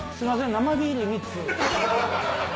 生ビール３つ。